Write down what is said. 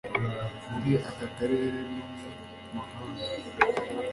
muri aka karere no mu mahanga